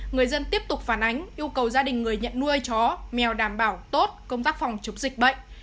người dân tiếp tục phản ánh yêu cầu gia đình người nhận nuôi chó mèo đảm bảo tốt công tác phòng chống dịch bệnh